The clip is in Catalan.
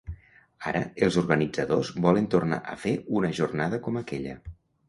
Ara els organitzadors volen tornar a fer una jornada com aquella.